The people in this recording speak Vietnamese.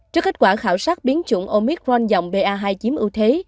trước kết quả khảo sát biến chủng omicron dòng ba hai chiếm ưu thế